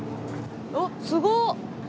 あっすごっ！